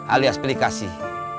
alias pilih kasih